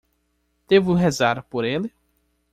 Devo rezar por ele?